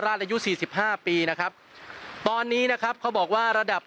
อายุสี่สิบห้าปีนะครับตอนนี้นะครับเขาบอกว่าระดับ